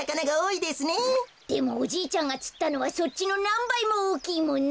でもおじいちゃんがつったのはそっちのなんばいもおおきいもんね！